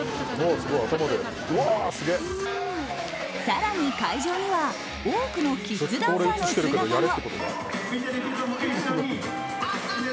更に、会場には多くのキッズダンサーの姿も。